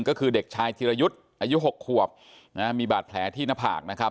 ก็คือเด็กชายธิรยุทธ์อายุ๖ขวบนะฮะมีบาดแผลที่หน้าผากนะครับ